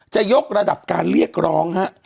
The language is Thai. จะยกระดับการเรียกร้องฮะ